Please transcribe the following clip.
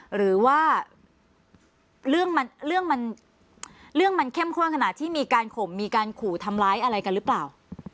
หรือว่าเรื่องมันเรื่องมันเรื่องมันเข้มข้วนขณะที่มีการขมมีการขู่ทำร้ายอะไรกันหรือเปล่า